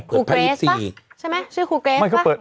คุณเกรสป่ะใช่ไหมชื่อคุณเกรสป่ะคุณเกรสป่ะ